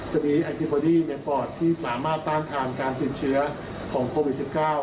จะมีไอติบอดี้ในปอดที่สามารถต้านทานการติดเชื้อของโควิด๑๙